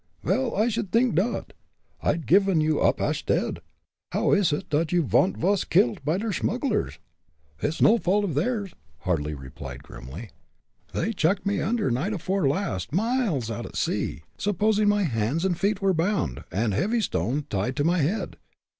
"Vel, I should dink not. I'd giffen you up ash dead. How ish it dot you don'd vas kilt by der smugglers?" "It is no fault of theirs," Hartly replied, grimly. "They chucked me under night afore last, miles out at sea, supposing my hands and feet were bound, and a heavy stone tied to my head.